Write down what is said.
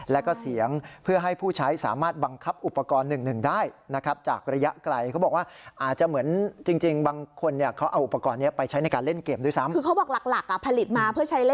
แล้วก็เสียงเพื่อให้ผู้ใช้สามารถบังคับอุปกรณ์หนึ่งได้นะครับ